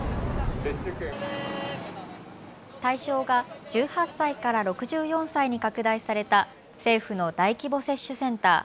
対象が１８歳から６４歳に拡大された政府の大規模接種センター。